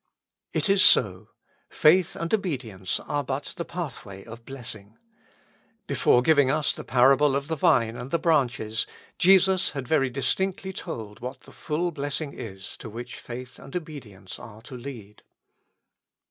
It is so. Faith and obedience are but the pithway of blessing. Before giving us the parable of the vine and the branches, Jesus had very disthictly told what the full blessing is to which faith and obedience are to lead.